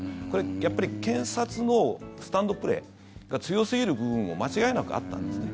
やっぱり検察のスタンドプレーが強すぎる部分も間違いなくあったんですね。